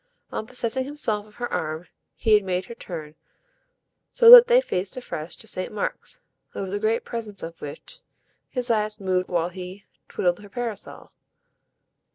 On possessing himself of her arm he had made her turn, so that they faced afresh to Saint Mark's, over the great presence of which his eyes moved while she twiddled her parasol.